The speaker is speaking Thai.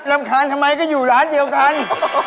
รำคาญทำไมก็อยู่ร้านเดียวกัน